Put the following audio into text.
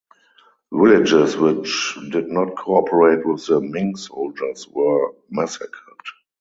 Villages which did not cooperate with the Ming soldiers were massacred.